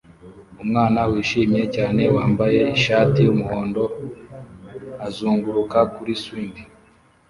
Umwana wishimye cyane wambaye ishati yumuhondo azunguruka kuri swing